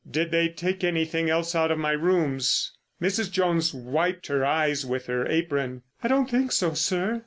"Did they take anything else out of my rooms?" Mrs. Jones wiped her eyes with her apron. "I don't think so, sir.